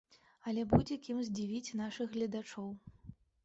Але будзе кім здзівіць нашым гледачоў!